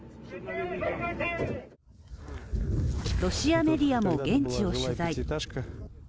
ロシアメディアも現地を取材。